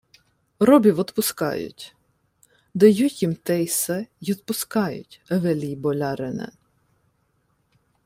— Робів одпускають. Дають їм те-се й одпускають, велій болярине.